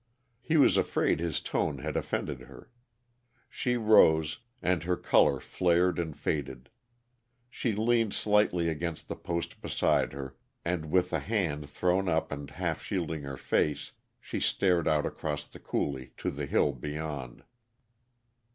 He was afraid his tone had offended her. She rose, and her color flared and faded. She leaned slightly against the post beside her, and, with a hand thrown up and half shielding her face, she stared out across the coulee to the hill beyond.